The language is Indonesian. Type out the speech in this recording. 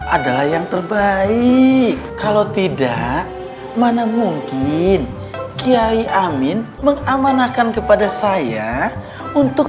adalah yang terbaik kalau tidak mana mungkin kiai amin mengamanahkan kepada saya untuk